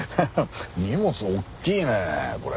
荷物おっきいねこれ。